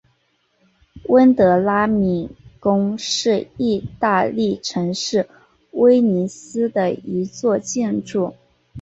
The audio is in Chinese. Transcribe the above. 温德拉敏宫是义大利城市威尼斯的一座建筑。